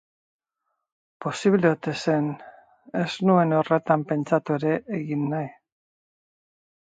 Posible ote zen... ez nuen horretan pentsatu ere egin nahi.